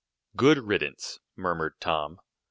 "Good riddance," murmured Tom.